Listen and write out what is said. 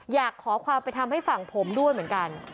อยากขอความเป็นธรรมให้ฝั่งผมด้วยเหมือนกัน